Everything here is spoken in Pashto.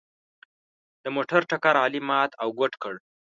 د موټر ټکر علي مات او ګوډ کړ.